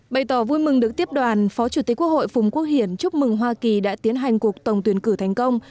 bày tỏ vui mừng được tiếp đoàn phó chủ tịch quốc hội phùng quốc hiển chúc mừng hoa kỳ đã tiến hành cuộc tổng tuyển cử thành công